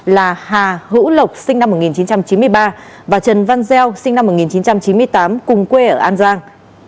là hà hữu lộc sinh năm một nghìn chín trăm chín mươi ba và trần văn gieo sinh năm một nghìn chín trăm chín mươi tám cùng quê ở an giang